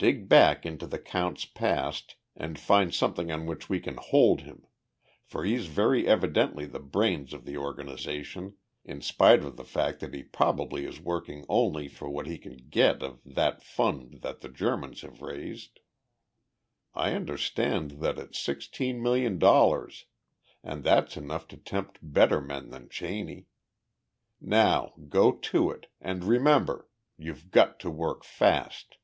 Dig back into the count's past and find something on which we can hold him, for he's very evidently the brains of the organization, in spite of the fact that he probably is working only for what he can get of that fund that the Germans have raised. I understand that it's sixteen million dollars and that's enough to tempt better men than Cheney. Now go to it, and remember you've got to work fast!"